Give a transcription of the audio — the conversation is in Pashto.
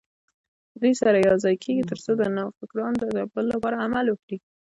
دوی سره یوځای کېږي ترڅو د نوفکرانو د ځپلو لپاره عمل وکړي